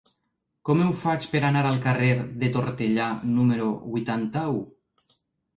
Com ho faig per anar al carrer de Tortellà número vuitanta-u?